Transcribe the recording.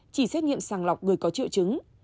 chỉ xét nghiệm sàng lọc người có triệu chứng